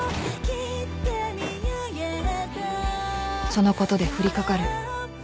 ［そのことで降りかかる］